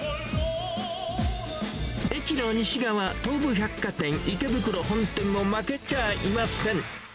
駅の西側、東武百貨店池袋本店も負けちゃいません。